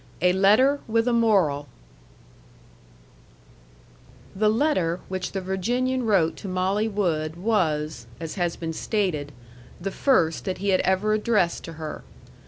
A LETTER WITH A MORAL The letter which the Virginian wrote to Molly Wood was, as has been stated, the first that he had ever addressed to her.